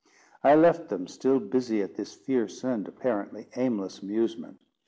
I left them still busy at this fierce and apparently aimless amusement.